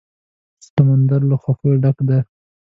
سندره له خوښیو ډکه ده